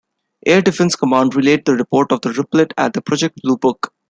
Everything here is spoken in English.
Air Defense Command relayed the report to Ruppelt at Project Blue Book.